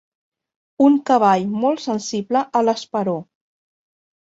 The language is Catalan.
Un cavall molt sensible a l'esperó.